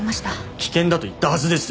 危険だと言ったはずですよ。